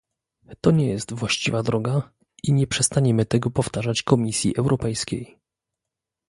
To nie jest właściwa droga, i nie przestaniemy tego powtarzać Komisji Europejskiej